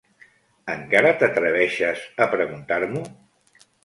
Encara t'atreveixes a preguntar-m'ho?